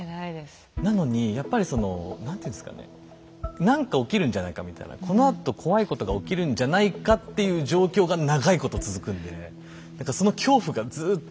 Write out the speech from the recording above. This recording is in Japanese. なのにやっぱりその何ていうんですかね何か起きるんじゃないかみたいなこのあと怖いことが起きるんじゃないかっていう状況が長いこと続くんで何かその恐怖がずっとこう何か心をギュッてしてる状態のまま。